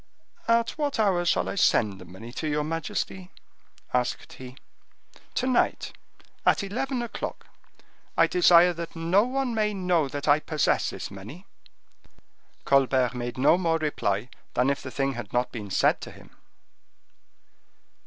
"At what hour shall I send the money to your majesty?" asked he. "To night, at eleven o'clock; I desire that no one may know that I possess this money." Colbert made no more reply than if the thing had not been said to him.